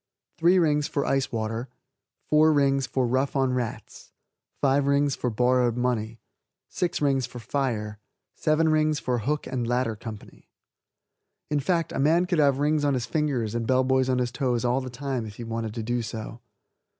Three Rings for Ice Water. Four Rings for Rough on Rats. Five Rings for Borrowed Money. Six Rings for Fire. Seven Rings for Hook and Ladder Company. In fact, a man could have rings on his fingers and bell boys on his toes all the time if he wanted to do so.